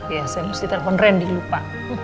oh ya saya harus di telepon randy lupa